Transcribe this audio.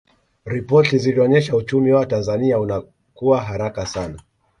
ripoti zilionyesha uchumi wa tanzania unakua haraka sana